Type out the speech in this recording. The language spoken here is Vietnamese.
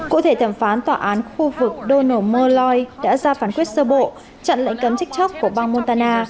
cụ thể thẩm phán tòa án khu vực donom murloyd đã ra phán quyết sơ bộ chặn lệnh cấm tiktok của bang montana